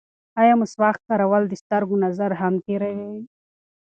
ایا مسواک کارول د سترګو نظر هم تېروي؟